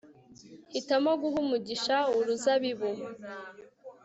hitamo, guha umugisha uruzabibu